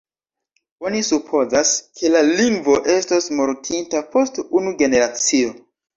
Oni supozas, ke la lingvo estos mortinta post unu generacio.